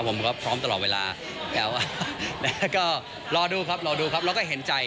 ผมก็พร้อมตลอดเวลาแต่ว่าก็รอดูครับรอดูครับเราก็เห็นใจ